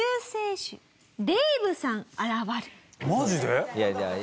マジで！？